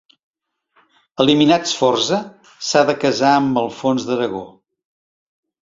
Eliminat Sforza, s'ha de casar amb Alfons d'Aragó.